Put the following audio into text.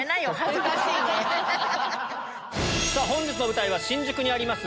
さぁ本日の舞台は新宿にあります。